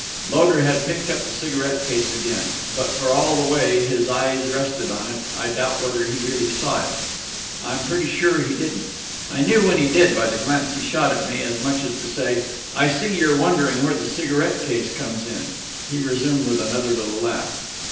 Loder had picked up the cigarette case again, but for all the way his eyes rested on it I doubt whether he really saw it. I'm pretty sure he didn't; I knew when he did by the glance he shot at me, as much as to say "I see you're wondering where the cigarette case comes in."... He resumed with another little laugh.